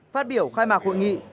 phát biểu khai mạc hội nghị